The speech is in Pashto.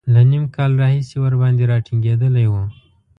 له نیم کال راهیسې ورباندې را ټینګېدلی و.